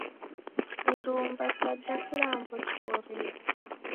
Irumba sa ja kilambo chiw'orie!